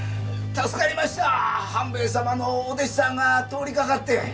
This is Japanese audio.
助かりました半兵衛様のお弟子さんが通りかかって。